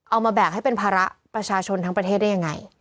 มาแบกให้เป็นภาระประชาชนทั้งประเทศได้ยังไง